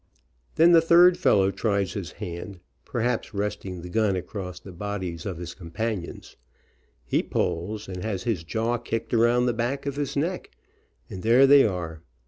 Then the third fellow tries his hand, perhaps resting the gun across the bodies of his companions, he pulls and has his jaw kicked around back of his neck, and there they are.